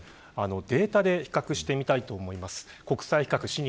データで比較してみたいと思います。